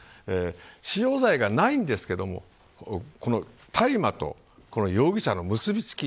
使用罪がないんですけど大麻と容疑者の結び付き